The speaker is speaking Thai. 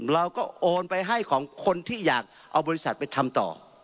เราก็โอนไปให้ของคนที่อยากเอาบริษัทไปทำต่อ